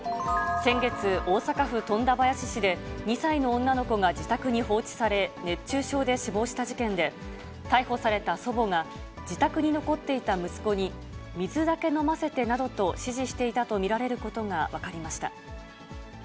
先月、大阪府富田林市で、２歳の女の子が自宅に放置され、熱中症で死亡した事件で、逮捕された祖母が、自宅に残っていた息子に、水だけ飲ませてなどと指示していたと見られることが分かりました。